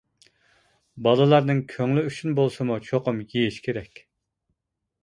بالىلارنىڭ كۆڭلى ئۈچۈن بولسىمۇ چوقۇم يېيىش كېرەك!